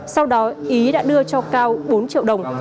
sau đó ý đã đưa cho cao bốn triệu đồng